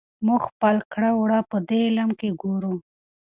موږ خپل کړه وړه پدې علم کې ګورو.